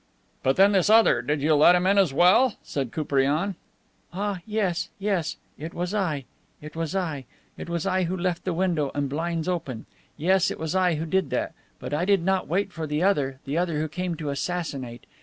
"But then, this other, did you let him in as well?" said Koupriane. "Ah, yes, yes. It was I. It was I. It was I who left the window and blinds open. Yes, it is I who did that. But I did not wait for the other, the other who came to assassinate.